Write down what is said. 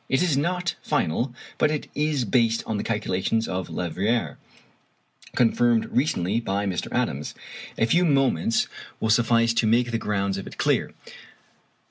It is not final, but it is based on the calculations of Leverrier confirmed recently by Mr. Adams. A few moments will suffice to make the grounds of it clear.